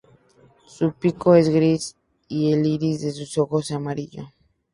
Su pico es gris y el iris de sus ojos amarillo.